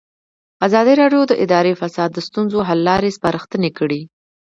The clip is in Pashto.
ازادي راډیو د اداري فساد د ستونزو حل لارې سپارښتنې کړي.